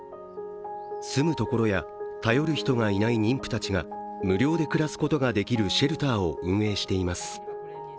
住むところや頼る人がいない妊婦たちが無料で暮らすことができるシェルターを運用しています。